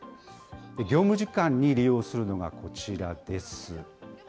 業務時間に利用するのがこちらです。